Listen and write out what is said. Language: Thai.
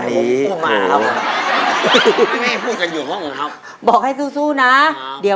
มีไรอยากจะพูดกับพี่